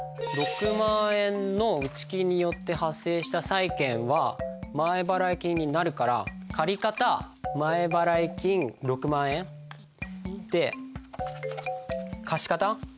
６万円の内金によって発生した債権は前払金になるから借方前払金６万円で貸方